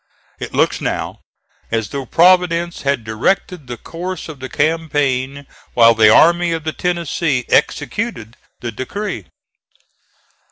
It looks now as though Providence had directed the course of the campaign while the Army of the Tennessee executed the decree.